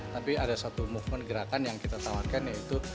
tapi ada satu movement gerakan yang kita tawarkan yaitu